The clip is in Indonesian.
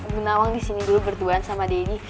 ibu nawang disini dulu berduaan sama daddy